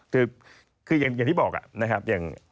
คืออย่างที่บอกนะครับ